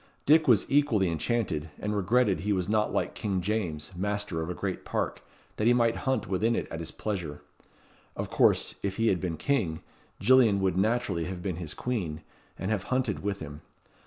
Dick was equally enchanted, and regretted he was not like King James, master of a great park, that he might hunt within it at his pleasure. Of course, if he had been king, Gillian would naturally have been his queen, and have hunted with him.